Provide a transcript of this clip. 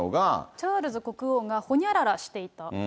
チャールズ国王がホニャララしていた。